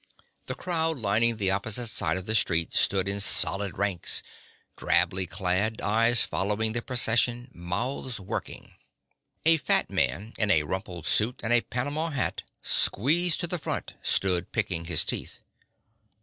The crowd lining the opposite side of the street stood in solid ranks, drably clad, eyes following the procession, mouths working. A fat man in a rumpled suit and a panama hat squeezed to the front, stood picking his teeth.